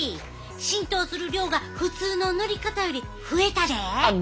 浸透する量が普通の塗り方より増えたで。